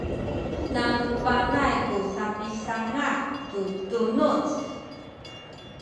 nanu panay ku sapisanga’ tu tunuz